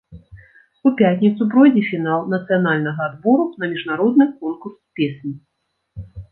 У пятніцу пройдзе фінал нацыянальнага адбору на міжнародны конкурс песні.